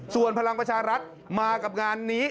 ส่วนพลังประชารัฐมากับงานนี้